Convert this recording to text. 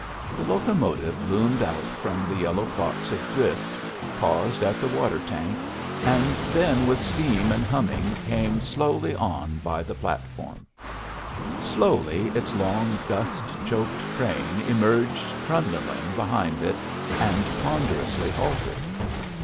The locomotive loomed out from the yellow clots of drift, paused at the water tank, and then with steam and humming came slowly on by the platform. Slowly its long dust choked train emerged trundling behind it, and ponderously halted.